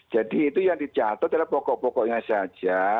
jadi itu yang dicatat adalah pokok pokoknya saja